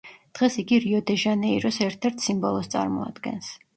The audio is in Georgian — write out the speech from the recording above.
დღეს იგი რიო-დე-ჟანეიროს ერთ-ერთ სიმბოლოს წარმოადგენს.